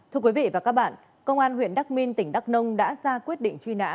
thưa quý vị và các bạn công an huyện đắc minh tỉnh đắk nông đã ra quyết định truy nã